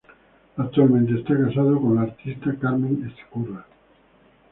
Actualmente está casado con la artista Carmen Ezcurra.